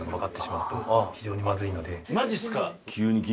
マジすか。